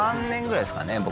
３年ぐらいですかね